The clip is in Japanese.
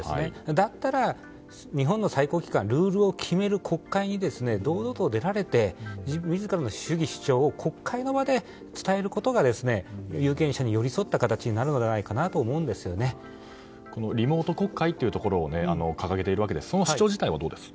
だったら日本の最高機関ルールを決める国会に堂々と出られて自らの主義・主張を国会の場で伝えることが有権者に寄り添った形にリモート国会というところを掲げているわけでその主張自体はどうですか。